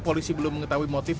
polisi belum mengetahui motif